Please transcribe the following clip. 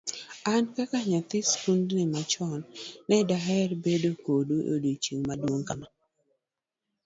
an kaka nyadhi skundni machon ne daher bet kodu e odiochieng' maduong' kama